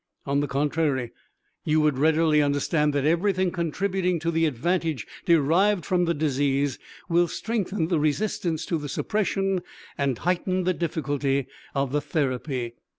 On the contrary, you would readily understand that everything contributing to the advantage derived from the disease will strengthen the resistance to the suppression and heighten the difficulty of the therapy.